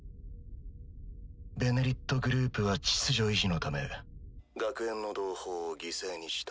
「ベネリット」グループは秩序維持のため学園の同胞を犠牲にした。